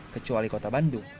kecuali kota bandung